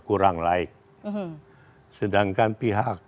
menanggap ini tidak termasuk untuk minat pria dan pasukan